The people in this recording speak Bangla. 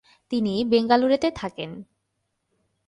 তিনি বেঙ্গালুরুতে থাকেন।